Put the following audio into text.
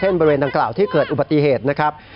บริเวณดังกล่าวที่เกิดอุบัติเหตุนะครับ